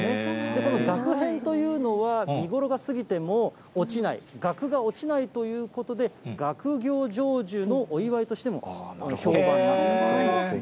このがく片というのは、見頃が過ぎても落ちない、がくが落ちないということで、学業成就のお祝いとしても評判なんだそうですね。